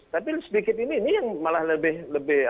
tapi sedikit ini ini yang malah lebih